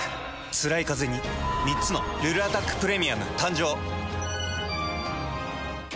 つらいカゼに３つの「ルルアタックプレミアム」誕生。